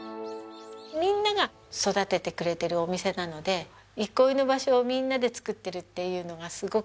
みんなが育ててくれているお店なので憩いの場所をみんなで作ってるっていうのがすごくいい。